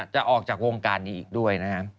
จะออกจากวงการนี้อีกด้วยนะครับ